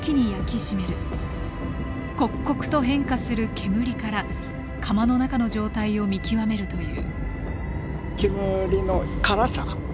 刻々と変化する煙から窯の中の状態を見極めるという。